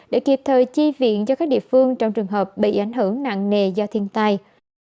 để kịp thời chi viện cho các địa phương trong trường hợp bị ảnh hưởng nặng nề do thiên tai